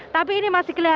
tapi ini masih kelihatan